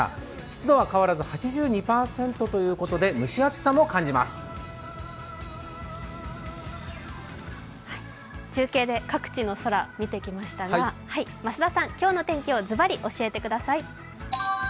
湿度は変わらず８２％ということで中継で各地の空、見てきましたが増田さん、今日のお天気をズバリ教えてください。